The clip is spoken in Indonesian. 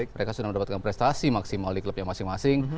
mereka sudah mendapatkan prestasi maksimal di klubnya masing masing